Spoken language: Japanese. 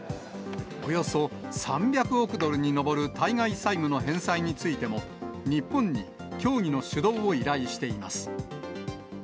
およそ３００億ドルに上る対外債務の返済についても、日本に協議の主導を依頼しています。